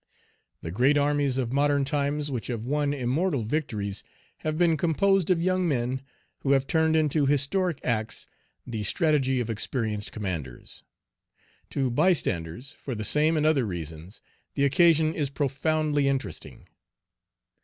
The great armies of modern times which have won immortal victories have been composed of young men who have turned into historic acts the strategy of experienced commanders. To bystanders, for the same and other reasons, the occasion is profoundly interesting.